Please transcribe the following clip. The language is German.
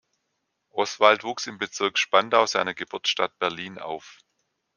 Oswald wuchs im Bezirk Spandau seiner Geburtsstadt Berlin auf.